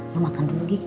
lo makan dulu gi